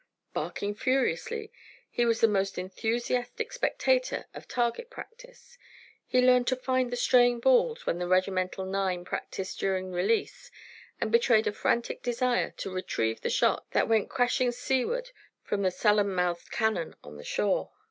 Barking furiously, he was the most enthusiastic spectator of target practise. He learned to find the straying balls when the regimental nine practised during "release," and betrayed a frantic desire to "retrieve" the shot that went crashing seaward from the sullen mouthed cannon on the shore.